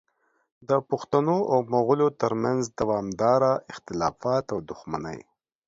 د پښتنو او مغولو ترمنځ دوامداره اختلافات او دښمنۍ